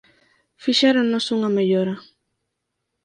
Fixéronnos unha mellora.